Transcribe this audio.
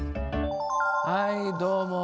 はいどうも。